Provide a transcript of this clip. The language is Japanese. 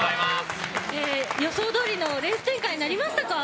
予想どおりのレース展開になりましたか？